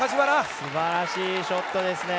すばらしいショットですね。